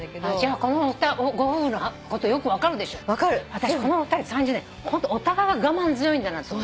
私このお二人３０年ホントお互いが我慢強いんだなと思う。